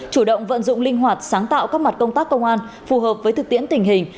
chủ động vận dụng linh hoạt sáng tạo các mặt công tác công an phù hợp với thực tiễn tình hình